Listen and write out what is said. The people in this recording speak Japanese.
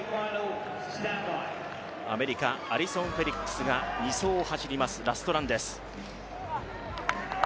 アメリカ、アリソン・フェリックスが２走を走りますラストランです。